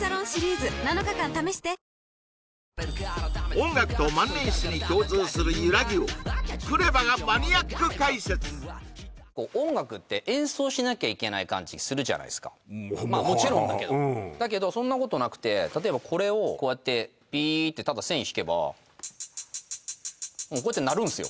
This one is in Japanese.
音楽と万年筆に共通する「ゆらぎ」を音楽って演奏しなきゃいけない感じするじゃないすかまあうんまあもちろんだけどだけどそんなことなくてたとえばこれをこうやってビーってただ線引けばもうこうやって鳴るんすよ